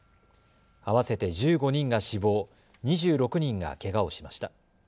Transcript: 合わせて１５人が死亡、２６人がけがをしました。